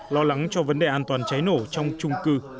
lo lắng cho vấn đề an toàn cháy nổ trong trung cư